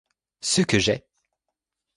Ce que j'ai !